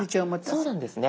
そうなんですね。